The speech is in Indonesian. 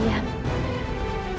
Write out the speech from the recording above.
serahkan semuanya kepada aku